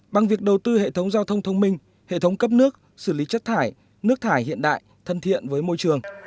bằng việc đầu tư hệ thống giao thông thông minh hệ thống cấp nước xử lý chất thải nước thải hiện đại thân thiện với môi trường